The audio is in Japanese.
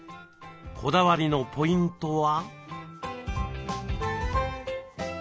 こだわりのポイントは？